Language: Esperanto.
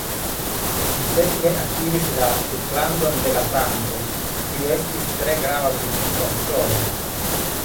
Li sekve akiris la "Duklandon de la Frankoj", kiu estis tre grava militista titolo.